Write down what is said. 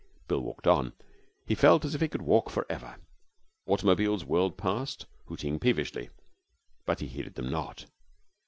Bill walked on. He felt as if he could walk for ever. Automobiles whirred past, hooting peevishly, but he heeded them not.